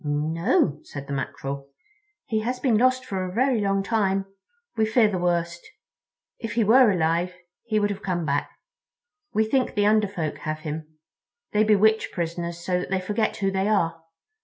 "No," said the Mackerel; "he has been lost for a very long time. We fear the worst. If he were alive he would have come back. We think the Under Folk have him. They bewitch prisoners so that they forget who they are.